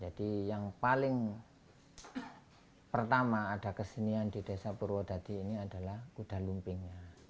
jadi yang paling pertama ada kesenian di desa purwodati ini adalah kuda lumping